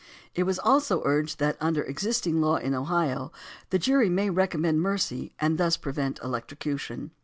It was also urged that under existing law in Ohio the jury may recommend mercy and thus prevent electrocution.